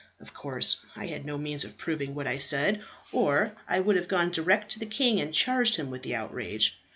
Of course I had no means of proving what I said, or I would have gone direct to the king and charged him with the outrage.